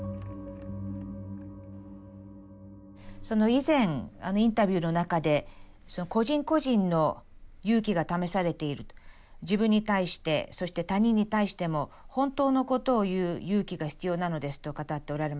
以前インタビューの中で個人個人の勇気が試されている自分に対してそして他人に対しても本当のことを言う勇気が必要なのですと語っておられました。